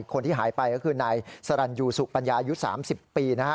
คนที่หายไปก็คือนายสรรันยูสุปัญญายุทธ์๓๐ปี